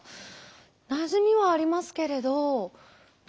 なじみはありますけれど農作物？